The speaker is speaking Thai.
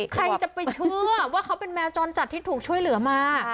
ใครจะไปเชื่อว่าเขาเป็นแมวจรจัดที่ถูกช่วยเหลือมา